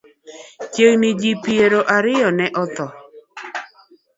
Chiegni ji piero ariyo ne otho.